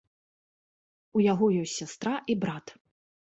У яго ёсць сястра і брат.